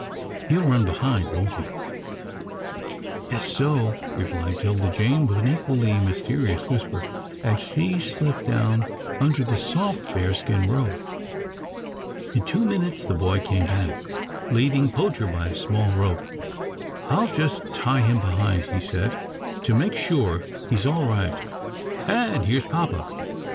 He'll run behind, won't he?" "I guess so," replied 'Tilda Jane, with an equally mysterious whisper, and she slipped down under the soft bearskin robe. In two minutes the boy came back, leading Poacher by a small rope. "I'll just tie him behind," he said, "to make sure. He's all right and here's papa."